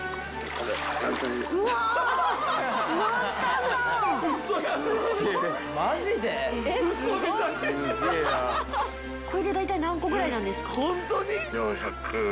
これでだいたい何個ぐらいなんですか？